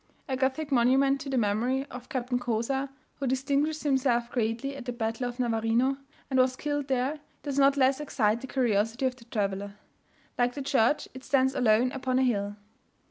A Gothic monument to the memory of Captain Cozar, who distinguished himself greatly at the battle of Navarino, and was killed there, does not less excite the curiosity of the traveller. Like the church, it stands alone upon a hill.